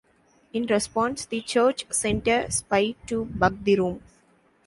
In response, the church sent a spy to bug the room.